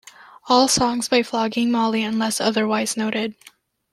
All songs by Flogging Molly unless otherwise noted.